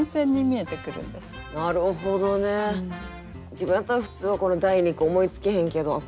自分やったら普通はこの第二句思いつけへんけどああ